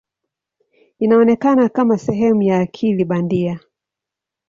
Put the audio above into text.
Inaonekana kama sehemu ya akili bandia.